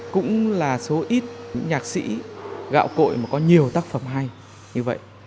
cũng là số ít những nhạc sĩ gạo cội mà có nhiều tác phẩm hay như vậy